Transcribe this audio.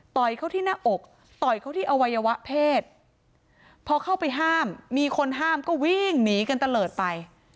เข้าที่หน้าอกต่อยเขาที่อวัยวะเพศพอเข้าไปห้ามมีคนห้ามก็วิ่งหนีกันตะเลิศไป